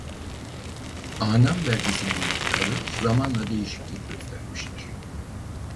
Ağnam vergisinin miktarı zamanla değişiklik göstermiştir.